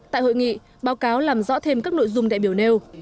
tại hội nghị báo cáo làm rõ thêm các nội dung đại biểu nêu